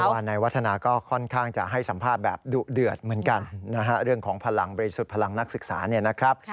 ว่านายวัฒนาก็ค่อนข้างจะให้สัมภาษณ์แบบดุเดือดเหมือนกันนะฮะเรื่องของพลังบริสุทธิ์พลังนักศึกษาเนี่ยนะครับ